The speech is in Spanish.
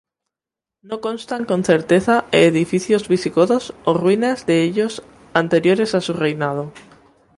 No constan con certeza edificios visigodos o ruinas de ellos anteriores a su reinado.